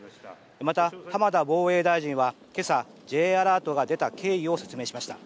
また浜田防衛大臣は今朝Ｊアラートが出た経緯を説明しました。